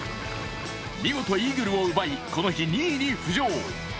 見事、イーグルを奪い、この日２位に浮上。